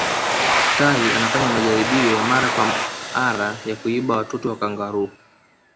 tai anafanya majaribio ya mara kwa amra ya kuiba watoto wa kangaroo